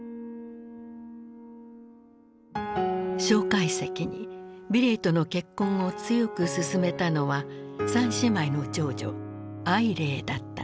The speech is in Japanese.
介石に美齢との結婚を強く勧めたのは三姉妹の長女靄齢だった。